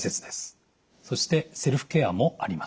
そしてセルフケアもあります。